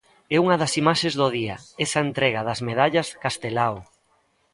É unha das imaxes do día, esa entrega das Medallas Castelao.